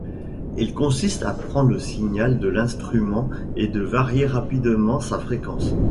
Il consiste à prendre le signal de l’instrument et de varier rapidement sa fréquence.